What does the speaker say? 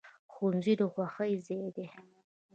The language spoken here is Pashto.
ښوونځی د خوښۍ ځای دی